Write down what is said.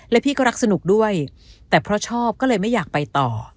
และพี่ก็รักสนุกด้วยแต่เพราะชอบก็เลยไม่อยากไปต่อ